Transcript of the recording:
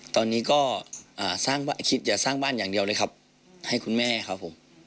ตอนนี้ก็คิดอย่าสร้างบ้านอย่างเดียวเลยครับให้คุณแม่ครับผม